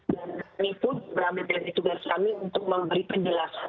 kami pun mengambil dari tugas kami untuk memberi penjelasan